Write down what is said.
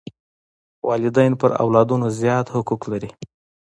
والدین پر اولادونو زیات حقوق لري.